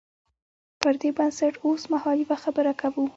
پر دې بنسټ اوسمهال یوه خبره کوو.